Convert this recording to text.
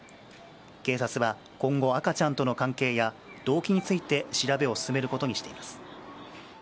警察は今後赤ちゃんとの関係や動機について調べを進めることにしています。